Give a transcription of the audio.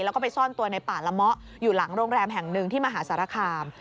แล้วก็ไปซ่อนตัวในป่าละเมาะอยู่หลังโรงแรมแห่งหนึ่งที่มหาสารคาม